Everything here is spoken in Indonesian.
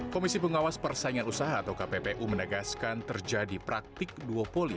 komisi pengawas persaingan usaha atau kppu menegaskan terjadi praktik duopoli